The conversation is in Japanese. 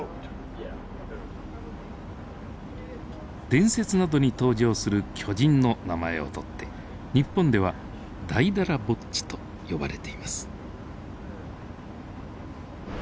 伝説などに登場する巨人の名前をとって日本ではダイダラボッチと呼ばれています。